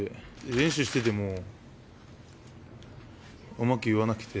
練習してても、うまく言えなくて。